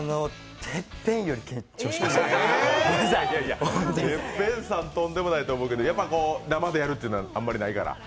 「ＴＥＰＰＥＮ」さん、とんでもないと思うけど、生でやるっていうのはあんまりないから。